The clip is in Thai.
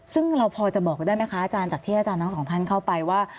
ซึ่งเราพอจะบอกได้ไหมคะอาจารย์จากที่อาจารย์ทั้งสองท่านเข้าไปว่า